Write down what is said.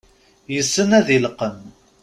Yessen ad ileqqem.